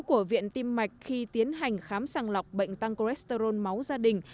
của viện tim mạch khi tiến hành khám sàng lọc bệnh tăng cholesterol máu gia đình